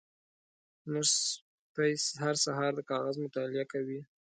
زمونږ سپی هر سهار د کاغذ مطالعه کوي.